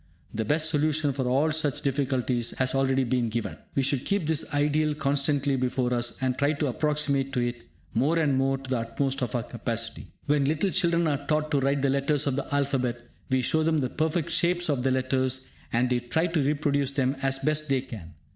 The best solution for all such difficulties has already been given. We should keep this ideal constantly before us, and try to approximate to it more and more to the utmost of our capacity. When little children are taught to write the letters of the alphabet, we show them the perfect shapes of the letters, and they try to reproduce them as best they can.